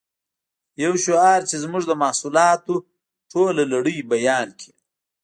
یو شعار چې زموږ د محصولاتو ټوله لړۍ بیان کړي